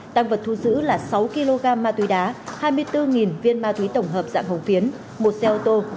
tăng vật thu giữ là sáu kg ma túy đá hai mươi bốn viên ma túy tổng hợp dạng hồng phiến một xe ô tô